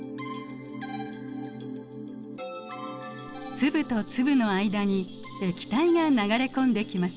粒と粒の間に液体が流れ込んできました。